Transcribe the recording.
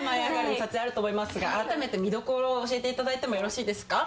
撮影あると思いますが改めて見どころを教えて頂いてもよろしいですか？